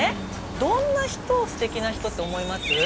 どんな人をステキな人って思います？